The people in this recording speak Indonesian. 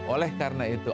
oleh karena itu